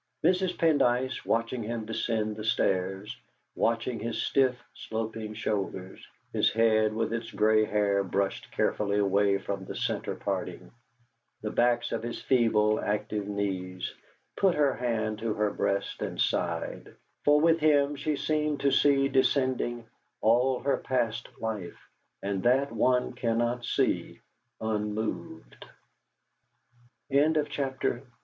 Mrs. Pendyce, watching him descend the stairs, watching his stiff sloping shoulders, his head with its grey hair brushed carefully away from the centre parting, the backs of his feeble, active knees, put her hand to her breast and sighed, for with him she seemed to see descending all her past life, and that one cannot see unmoved. CHAPTER III MRS. BE